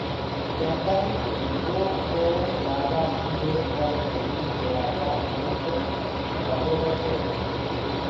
ڪينٚدآئينٚ جھنٚگو ڪو رآجآ شيٚهنٚ هي پر جميٚنيٚ ڪو رآجآ منک بڻرو ٻيٺو هي